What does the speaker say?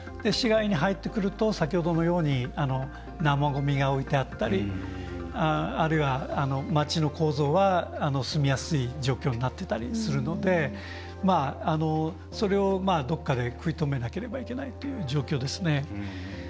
市街に入ってくると先ほどのように生ごみが置いてあったりあるいは、街の構造が住みやすい状況になってたりするのでそれを、どこかで食い止めないといけないという状況ですね。